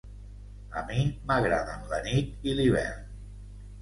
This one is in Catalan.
A mi m'agraden la nit i l'hivern.